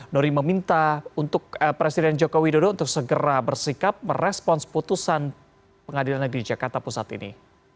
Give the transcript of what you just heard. nuri meminta presiden jokowi dodo untuk segera bersikap merespons putusan pengadilan negeri jakarta pusat ini